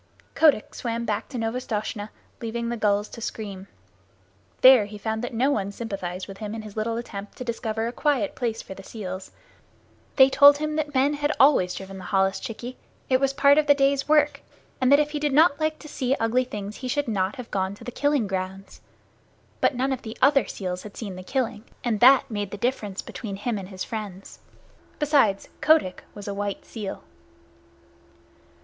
Kotick swam back to Novastoshnah, leaving the gulls to scream. There he found that no one sympathized with him in his little attempt to discover a quiet place for the seals. They told him that men had always driven the holluschickie it was part of the day's work and that if he did not like to see ugly things he should not have gone to the killing grounds. But none of the other seals had seen the killing, and that made the difference between him and his friends. Besides, Kotick was a white seal.